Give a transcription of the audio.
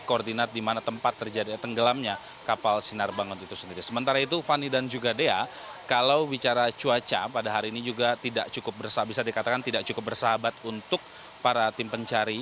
kita kan tidak cukup bersahabat untuk para tim pencari